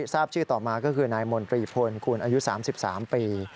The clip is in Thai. ทราบชื่อต่อมาก็คือนายมนตรีพลคุณอายุ๓๓ปี